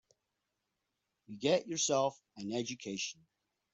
You get yourself an education.